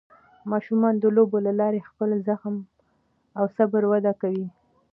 ماشومان د لوبو له لارې خپل زغم او صبر وده کوي.